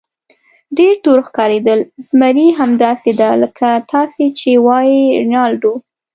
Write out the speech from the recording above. ډېر تور ښکارېدل، زمري: همداسې ده لکه تاسې چې وایئ رینالډو.